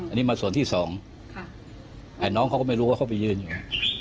อันนี้มาส่วนที่สองไอ้น้องเขาก็ไม่รู้ว่าเขาไปยืนอยู่ไง